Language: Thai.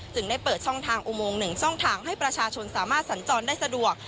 ได้เปิดช่องทางอุโมง๑ช่องทางให้ประชาชนสามารถสัญจรได้สะดวก